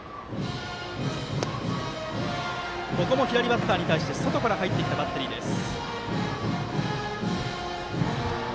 ここも左バッターに対して外から入ってきたバッテリーです。